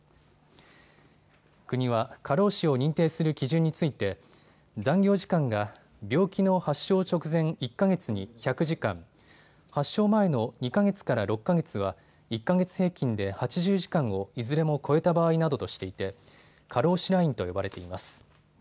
国は過労死を認定する基準について残業時間が病気の発症直前１か月に１００時間、発症前の２か月から６か月は１か月平均で８０時間をいずれも超えた場合などとしていて過労死ラインと呼ばれています。